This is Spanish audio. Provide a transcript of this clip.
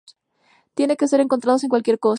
Tiene que ser encontrado en cualquier coste.